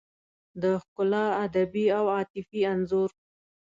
د ښکلا ادبي او عاطفي انځور